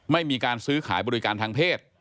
ไม่มีการซื้อขายบริการทางเพศ